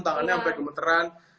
tangannya sampai kebetulan